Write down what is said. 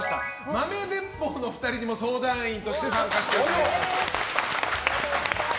豆鉄砲の２人にも相談員として参加していただきます。